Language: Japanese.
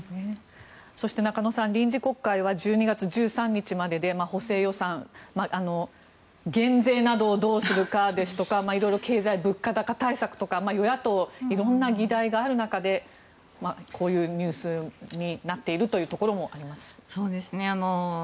そして中野さん臨時国会は１２月１３日までで補正予算、減税などをどうするかですとか色々、経済、物価高対策とか与野党、色んな議題がある中でこういうニュースになっているというところもあります。